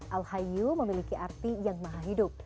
al hayu memiliki arti yang maha hidup